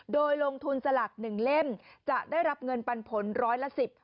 โดยลงทุนสลักหนึ่งเล่มจะได้รับเงินปันผลร้อยละสิบ